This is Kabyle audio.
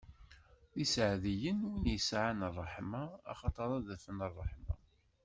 D iseɛdiyen, wid yesɛan ṛṛeḥma, axaṭer ad afen ṛṛeḥma!